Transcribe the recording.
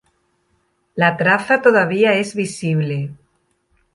La traza todavía es visible.